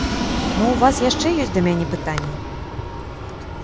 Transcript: Мо ў вас яшчэ ёсць да мяне пытанні?